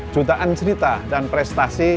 jutaan cerita dan prestasi